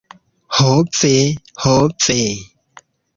Ho ve! Ho ve.